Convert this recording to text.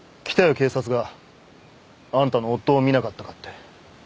警察が。あんたの夫を見なかったかって。